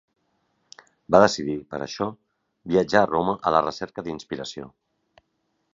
Va decidir, per a això, viatjar a Roma a la recerca d'inspiració.